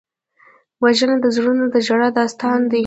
وژنه د زړونو د ژړا داستان دی